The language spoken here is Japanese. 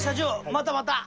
またまた。